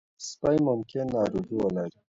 سپي ممکن ناروغي ولري.